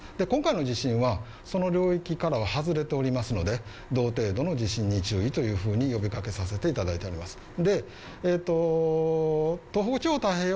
今回の地震はその領域から外れておりますので同程度の地震に注意というふうに呼び掛けさせていただいております。